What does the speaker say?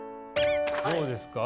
どうですか？